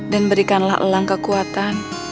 dan berikanlah elang kekuatan